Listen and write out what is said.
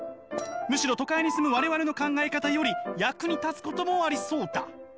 むしろ都会に住む我々の考え方より役に立つこともありそうだ」。